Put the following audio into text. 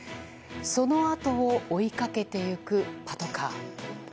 そのあとを追いかけていくパトカー。